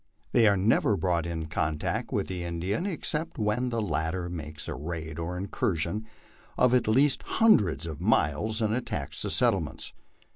They are never brought in contact with the In dian except when the latter 1 makes a raid or incursion of at least hundreds of miles, and attacks the settlements.